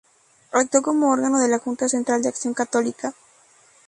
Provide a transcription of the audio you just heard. Actuó como órgano de la Junta Central de Acción Católica.